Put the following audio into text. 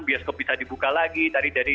bioskop bisa dibuka lagi dari